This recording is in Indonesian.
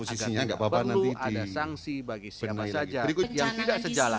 agar tidak perlu ada sanksi bagi siapa saja yang tidak sejalan